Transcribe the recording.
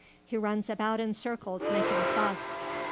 He runs about in circles making a fuss.